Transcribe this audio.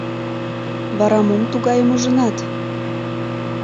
Вара, мом тугайым ужынат?